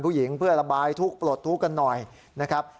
ผู้หญิงเพื่อระบายทุกข์ปลดทุกข์กันหน่อยนะครับ